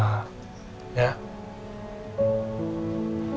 ya papa janji ke papa gak kayak gitu lagi